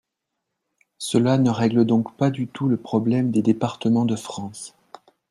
Cela ne règle donc pas du tout le problème des départements de France.